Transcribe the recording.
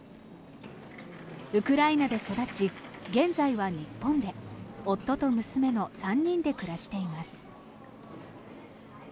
ウクライナで育ち現在は日本で夫と娘の３人で暮らしています。